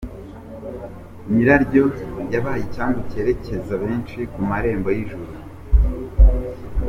Nyiraryo yabaye icyambu cyerekeza benshi ku marembo y’ijuru.